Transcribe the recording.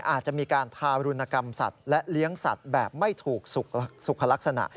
อาจจะมีการทารุณกรรมสัตว์และเลี้ยงสัตว์แบบไม่ถูกสุขลักษณะ